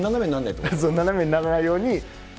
斜めにならないように。